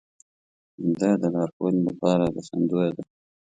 همدا يې د لارښوونې لپاره بسندويه ده.